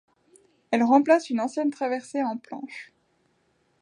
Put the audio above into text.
Elle remplace une ancienne traversée en planches.